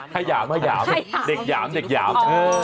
ฮาหย่ามฮาหย่ามเด็กหย่ามเด็กหย่าม